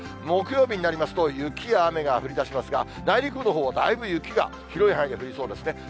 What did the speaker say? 木曜日になりますと、雪や雨が降りだしますが、内陸部のほう、だいぶ雪が広い範囲で降りそうですね。